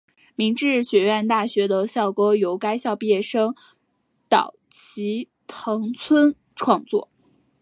明治学院大学的校歌由该校毕业生岛崎藤村创作。